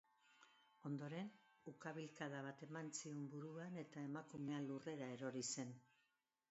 Ondoren, ukabilkada bat eman zion buruan eta emakumea lurrera erori zen.